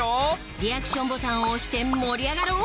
リアクションボタンを押して盛り上がろう！